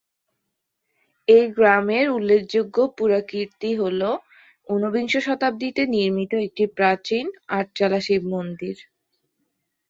এই গ্রামের উল্লেখযোগ্য পুরাকীর্তি হল ঊনবিংশ শতাব্দীতে নির্মিত একটি প্রাচীন আটচালা শিবমন্দির।